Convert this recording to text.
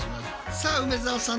さあ梅沢さん